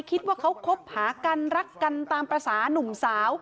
คิดว่าเขาคบหากันรักกันตามภาษานุ่มสาว